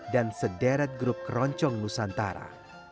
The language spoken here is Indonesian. dan sederet grup keroncong nusantara